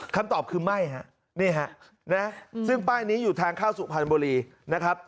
คำตอบคือไม่ซึ่งป้ายนี้อยู่ทางข้าวสุพันธุ์บรีนะครับ